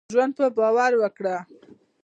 ژوند په باور وکړهٔ.